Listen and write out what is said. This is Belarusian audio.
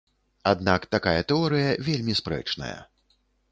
Аднак такая тэорыя вельмі спрэчная.